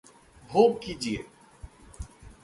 भोग कीजिए